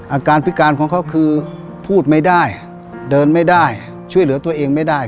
อาการพิการของเขาคือพูดไม่ได้เดินไม่ได้ช่วยเหลือตัวเองไม่ได้